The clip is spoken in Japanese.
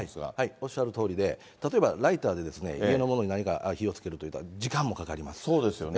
おっしゃるとおりで、例えばライターで、家のものに何か火をつけると、そうですよね。